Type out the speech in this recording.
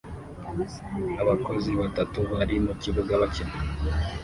Abakozi batatu bari mu kibuga bakina